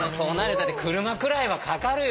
だって車くらいはかかるよ。